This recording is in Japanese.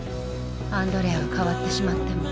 アンドレアは変わってしまったの。